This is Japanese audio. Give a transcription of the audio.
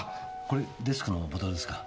これデスクのボトルですか？